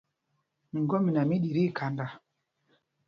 Miŋgɔ́mina mí ɗi tí ikhanda.